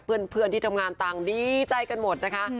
เพื่อนที่ทำงานต่างดีใจกันหมดนะคะ